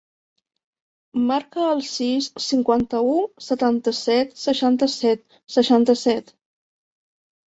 Marca el sis, cinquanta-u, setanta-set, seixanta-set, seixanta-set.